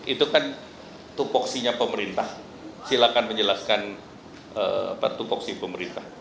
itu kan tupoksinya pemerintah silakan menjelaskan tupoksi pemerintah